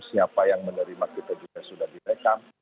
siapa yang menerima kita juga sudah direkam